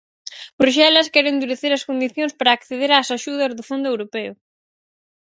Bruxelas quere endurecer as condicións para acceder ás axudas do fondo europeo.